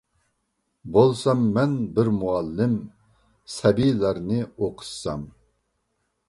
بولسام مەن بىر مۇئەللىم، سەبىيلەرنى ئوقۇتسام.